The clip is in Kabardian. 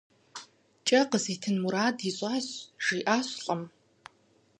Кӏэ къызитын мурад ищӏащ, - жиӏащ лӏым.